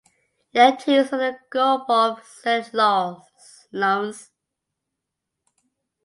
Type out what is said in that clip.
It empties into the Gulf of Saint Lawrence.